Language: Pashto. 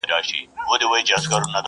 د پیښي جديت د طنز تر شا کمزوری کيږي.